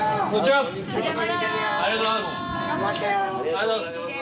ありがとうございます。